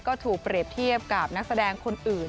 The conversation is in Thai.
ก็ถูกเปรียบเทียบกับนักแสดงคนอื่น